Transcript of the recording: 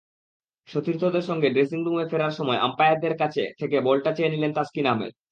সতীর্থদের সঙ্গে ড্রেসিংরুমে ফেরার সময় আম্পায়ারের কাছ থেকে বলটা চেয়ে নিলেন তাসকিন আহমেদ।